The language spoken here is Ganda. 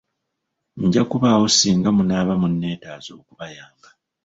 Nja kubaawo singa munaaba munneetaaze okubayamba.